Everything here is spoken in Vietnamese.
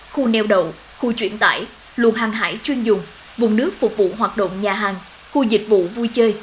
khu neo đậu khu chuyển tải luồn hàng hải chuyên dùng vùng nước phục vụ hoạt động nhà hàng khu dịch vụ vui chơi